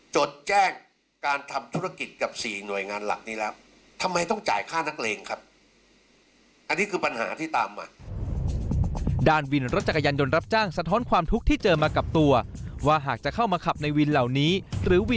จดแจ้งการทำธุรกิจกับ๔หน่วยงานหลักนี่แล้ว